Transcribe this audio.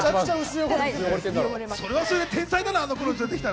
それはそれで天才だな。